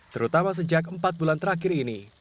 terutama sejak empat bulan terakhir ini